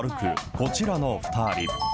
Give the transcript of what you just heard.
こちらの２人。